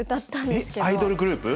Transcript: アイドルグループ？